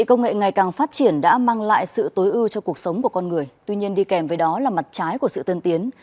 công nghệ ngày càng phát triển đã mang lại sự tối ưu cho cuộc sống của con người tuy nhiên đi kèm với đó là mặt trái của sự tân tiến